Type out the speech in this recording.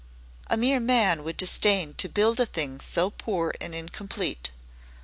A mere man would disdain to build a thing so poor and incomplete.